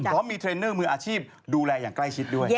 พร้อมมีเทรนเนอร์มืออาชีพดูแลอย่างใกล้ชิดด้วย